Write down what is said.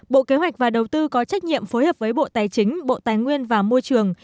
bộ kế hoạch và đầu tư có trách nhiệm phối hợp với bộ tài chính bộ tài nguyên và môi trường